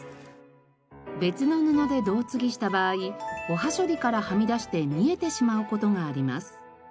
別の布でどうつぎした場合おはしょりからはみ出して見えてしまう事があります。